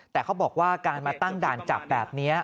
แต่เขาบอกว่าการมาตั้งด่านจับแบบนี้